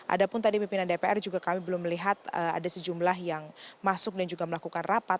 ada pun tadi pimpinan dpr juga kami belum melihat ada sejumlah yang masuk dan juga melakukan rapat